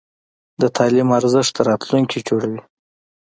د تعلیم ارزښت د راتلونکي جوړوي.